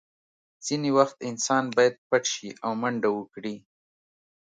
ځینې وخت انسان باید پټ شي او منډه وکړي